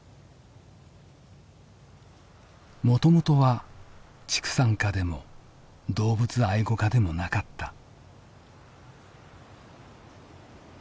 もともとは畜産家でも動物愛護家でもなかった。